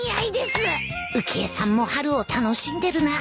浮江さんも春を楽しんでるな